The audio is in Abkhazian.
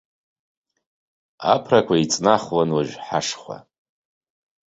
Аԥрақәа еиҵнахуан уажә ҳашхәа.